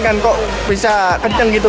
kok bisa kencang gitu